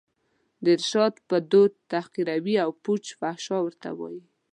د ارشاد په دود تحقیروي او پوچ و فحش راته وايي